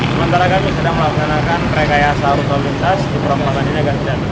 sementara kami sedang melakukan rekayasa rute lintas truk ramalan ini akan tidak terjadi